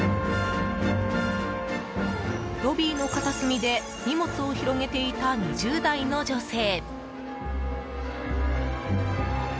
ロビーの片隅で荷物を広げていた２０代の女性。